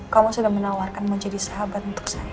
kamu sudah menawarkan mau jadi sahabat untuk saya